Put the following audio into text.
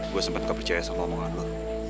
gue sempat gak percaya sama omongan lo